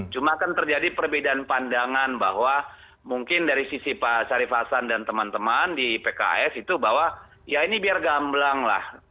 cuma kan terjadi perbedaan pandangan bahwa mungkin dari sisi pak syarif hasan dan teman teman di pks itu bahwa ya ini biar gamblang lah